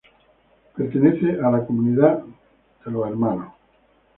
Pertenece a la comunidad de los Hermanos Maristas.